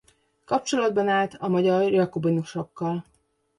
Kapcsolatban állt a magyar jakobinusokkal.